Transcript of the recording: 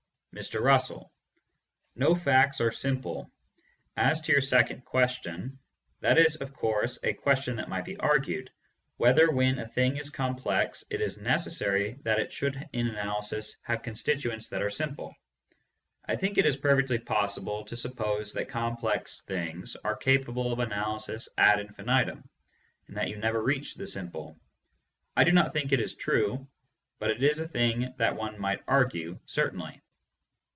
Mr. Russell: No facts are simple. As to your second question, that is, of course, a question that might be argued — whether when a thing is complex it is necessary that it should in analysis have constituents that are simple. I think it is per fectly possible to suppose that complex things are capable of analysis ad infinitum, and that you never reach the simple. I do not think it is true, but it is a thing that one might argue, certainly.